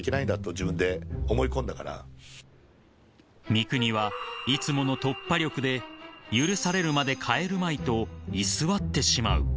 ［三國はいつもの突破力で許されるまで帰るまいと居座ってしまう］